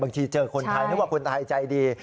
เจอคนไทยนึกว่าคนไทยใจดี